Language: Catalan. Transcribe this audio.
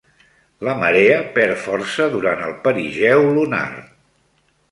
La marea perd força durant el perigeu lunar.